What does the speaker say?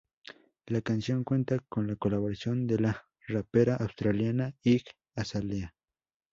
La canción cuenta con la colaboración de la rapera australiana Iggy Azalea.